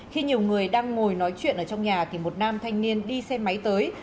khi nhiều người đang ngồi nói chuyện ở trong nhà thì một nam thanh niên đi xe máy tới